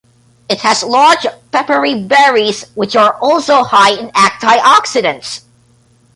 It has large, peppery berries which are also high in antioxidants.